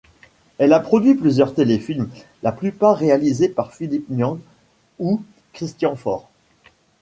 Elle a produit plusieurs téléfilms, la plupart réalisés par Philippe Niang ou Christian Faure.